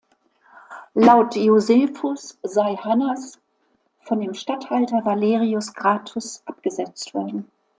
Laut Josephus sei Hannas von dem Statthalter Valerius Gratus abgesetzt worden.